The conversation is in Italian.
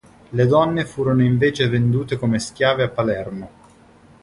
Le donne furono invece vendute come schiave a Palermo.